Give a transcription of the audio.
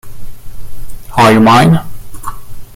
R U Mine?